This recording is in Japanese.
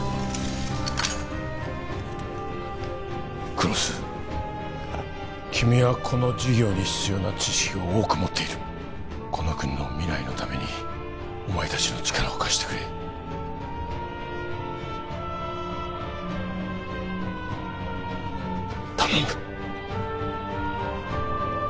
黒須君はこの事業に必要な知識を多く持っているこの国の未来のためにお前たちの力を貸してくれ頼む